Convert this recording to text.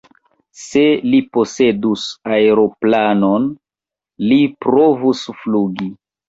Se li posedus aeroplanon, li provus flugi.